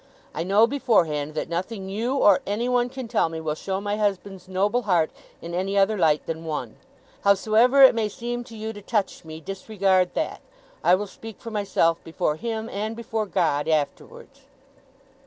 I know beforehand that nothing you, or anyone, can tell me, will show my husband's noble heart in any other light than one. Howsoever it may seem to you to touch me, disregard that. I will speak for myself, before him, and before God afterwards.